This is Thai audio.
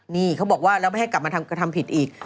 นี่เขาบอกว่าแล้วไม่ให้กลับมากระทำผิดอีก